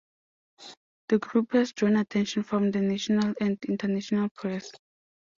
The group has drawn attention from the national and international press.